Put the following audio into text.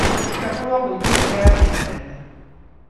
Il capoluogo di contea è Linden.